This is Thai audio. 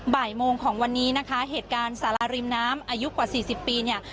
บ่ายโมงของวันนี้นะคะเหตุการณ์สาราริมน้ำอายุกว่าสี่สิบปีเนี่ย